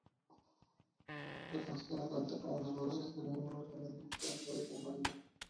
La canción cuenta con las voces de las miembros femeninas de la banda.